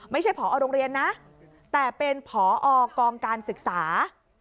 ไม่ใช่ผอโรงเรียนนะแต่เป็นผอกองการศึกษา